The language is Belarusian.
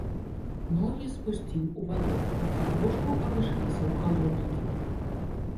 Ногі спусціў у ваду, каб патрошку абышліся ў халодненькім.